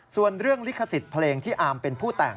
ส่วนเรื่องลิขสิทธิ์เพลงที่อาร์มเป็นผู้แต่ง